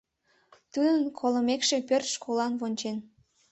Тудын колымекше, пӧрт школлан вончен.